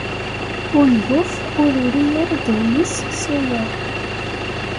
Unguf ur irri ara ddehn-is s aya.